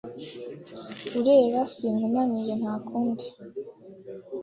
Ureba sinkunaniye, nta kundi